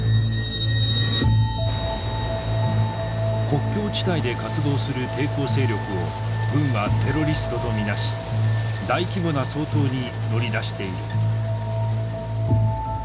国境地帯で活動する抵抗勢力を軍はテロリストと見なし大規模な掃討に乗り出している。